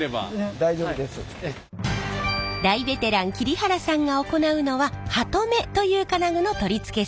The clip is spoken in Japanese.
大ベテラン桐原さんが行うのはハトメという金具の取り付け作業。